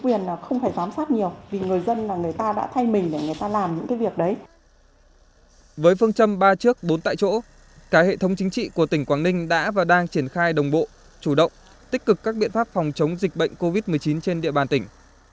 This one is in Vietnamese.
với phương châm ba trước bốn tại chỗ cả hệ thống chính trị của tỉnh quảng ninh đã và đang triển khai đồng bộ chủ động tích cực các biện pháp phòng chống dịch bệnh covid một mươi chín trên địa bàn tỉnh